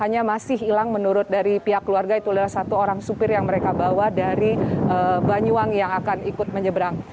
hanya masih hilang menurut dari pihak keluarga itu adalah satu orang supir yang mereka bawa dari banyuwangi yang akan ikut menyeberang